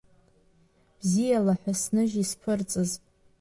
Бзиала ҳәа сныжь исԥырҵыз.